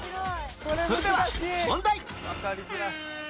それでは問題